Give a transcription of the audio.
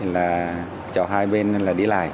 là cho hai bên đi lại